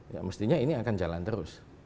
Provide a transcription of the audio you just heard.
ya mestinya ini akan jalan terus